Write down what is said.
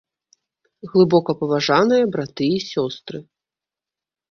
Глыбокапаважаныя браты і сёстры!